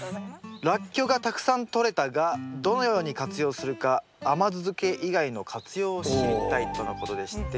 「ラッキョウがたくさんとれたがどのように活用するか甘酢漬け以外の活用を知りたい」とのことでして。